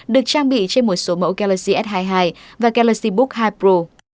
được trang bị trên một số mẫu galaxy s hai mươi hai và galaxy book hai pro